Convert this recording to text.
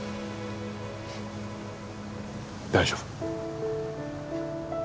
大丈夫。